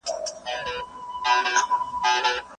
د ژوند د دې تصوير و هرې خوا ته درېږم